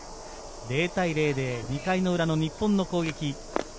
０対０で２回の裏の日本の攻撃。